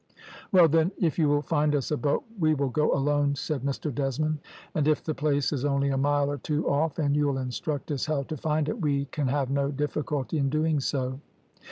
"`Well, then, if you will find us a boat we will go alone,' said Mr Desmond; `and if the place is only a mile or two off, and you'll instruct us how to find it, we can have no difficulty in doing so.'